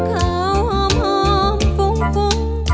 หอมหอมฟุ้งฟุ้ง